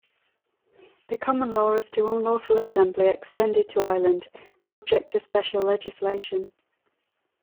The common law as to unlawful assembly extended to Ireland, subject to special legislation.